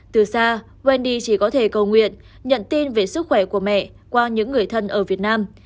từ xa wendy chỉ có thể cầu nguyện nhận tin về sức khỏe của mẹ qua những người thân ở việt nam